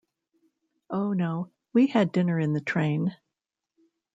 Oh no, we had dinner in the train.